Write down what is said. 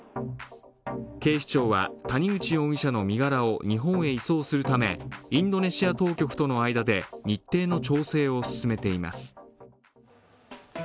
警視庁は谷口容疑者の身柄を日本へ移送するためインドネシア当局との間で日程の調整を進めています。